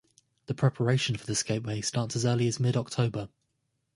The preparation for the Skateway starts as early as mid-October.